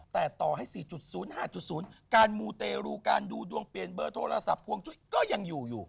แต่ต่อให้๔๐๕๐การมูเตรูการดูดวงเปลี่ยนเบอร์โทรศัพท์พวงจุ้ยก็ยังอยู่อยู่